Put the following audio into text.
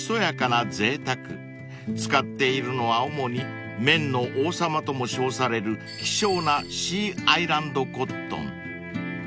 ［使っているのは主に「綿の王様」とも称される希少なシーアイランドコットン］